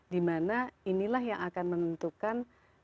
dimana inilah yang akan menentukan